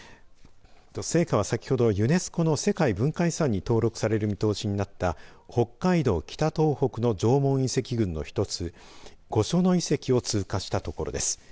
聖火は先ほどユネスコの世界文化遺産に登録される見通しになった北海道・北東北の縄文遺跡群の一つ御所野遺跡を通過したところです。